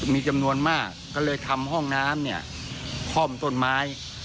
มีจำนวนมากก็เลยทำห้องน้ำเนี่ยค่อมต้นไม้